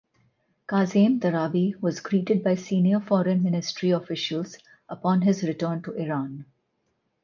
Kazem Darabi was greeted by senior Foreign Ministry officials upon his return to Iran.